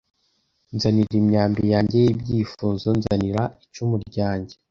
Nzanira imyambi yanjye yibyifuzo Nzanira icumu ryanjye